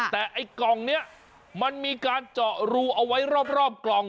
แต่ไอ้กล่องนี้มันมีการเจาะรูเอาไว้รอบกล่อง